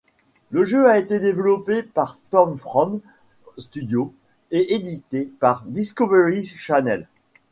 Le jeu a été développé par Stormfront Studios et édité par Discovery Channel.